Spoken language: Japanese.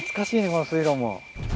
この水路も。